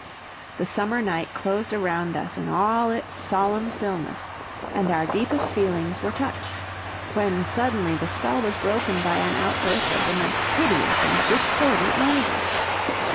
The summer night closed around us in all its solemn stillness, and our deepest feelings were touched; when suddenly the spell was broken by an outburst of the most hideous and discordant noises.